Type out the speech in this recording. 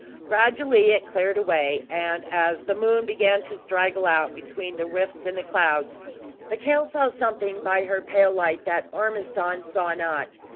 Gradually it cleared away; and as the moon began to straggle out between the rifts in the clouds, the count saw something by her pale light that Ormiston saw not.